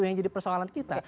yang jadi persoalan kita